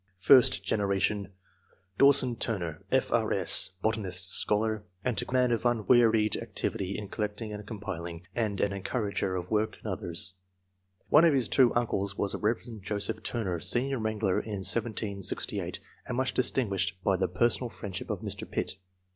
Fi7\st generation. — Dawson Turner, F. R. 8. , botanist, scholar, antiquary ; a man of unwea ried activity in collecting and compiling, and an encourager of work in others. One of his two uncles was the Rev. Joseph Turner, senior wrangler I.] ANTECEDENTS. 49 in 1768, and much distinguished by the personal friendship of Mr. Pitt.